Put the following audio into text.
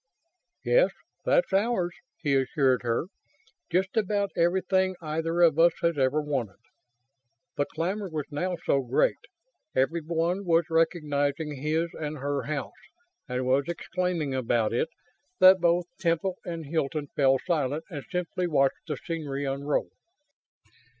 "Yes, that's ours," he assured her. "Just about everything either of us has ever wanted." The clamor was now so great everyone was recognizing his and her house and was exclaiming about it that both Temple and Hilton fell silent and simply watched the scenery unroll.